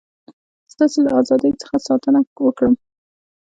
ستاسي له ازادی څخه ساتنه وکړم.